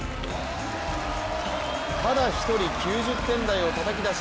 ただ一人、９０点台をたたき出し